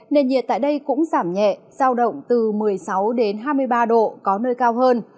nền nhiệt tại đây cũng giảm nhẹ giao động từ một mươi sáu hai mươi ba độ có nơi cao hơn